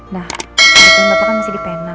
nah meeting bapak kan masih di p enam